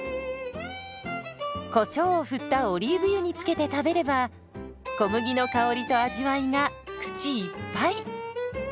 こしょうを振ったオリーブ油につけて食べれば小麦の香りと味わいが口いっぱい！